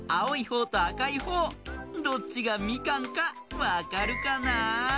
ほうとあかいほうどっちがみかんかわかるかな？